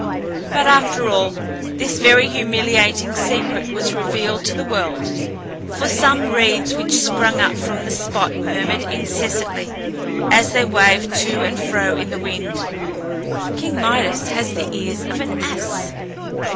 But after all, this very humiliating secret was revealed to the world, for some reeds which sprung up from the spot murmured incessantly, as they waved to and fro in the wind: "King Midas has the ears of an ass."